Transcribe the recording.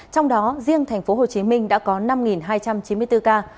trong đó riêng tp hcm đã có năm hai trăm chín mươi bốn ca